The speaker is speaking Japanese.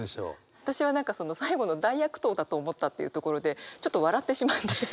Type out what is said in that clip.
私は何かその最後の「大悪党だと思った」っていうところでちょっと笑ってしまって。